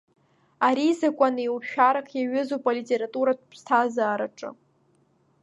Ари закәанеиушәарак иаҩызоуп алитературатә ԥсҭазаараҿы.